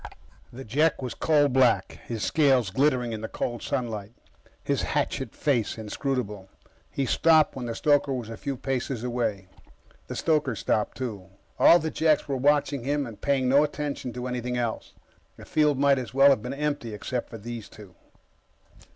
The Jek was coal black, his scales glittering in the cold sunlight, his hatchet face inscrutable. He stopped when the stoker was a few paces away. The stoker stopped, too. All the Jeks were watching him and paying no attention to anything else. The field might as well have been empty except for those two.